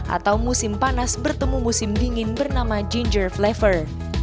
atau musim panas bertemu musim dingin bernama ginger flavor